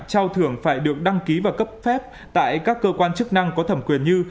trao thưởng phải được đăng ký và cấp phép tại các cơ quan chức năng có thẩm quyền như